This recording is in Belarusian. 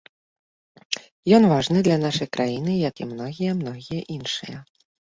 Ён важны для нашай краіны як і многія-многія іншыя.